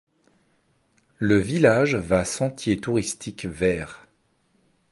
Le village va sentier touristique vert.